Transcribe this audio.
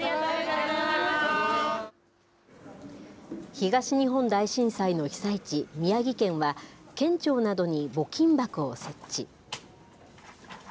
東日本大震災の被災地、宮城県は、県庁などに募金箱を設置。